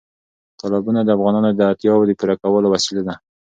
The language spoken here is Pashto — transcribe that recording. تالابونه د افغانانو د اړتیاوو د پوره کولو وسیله ده.